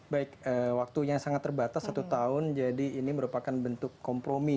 baik waktunya sangat terbatas satu tahun jadi ini merupakan bentuk kompromi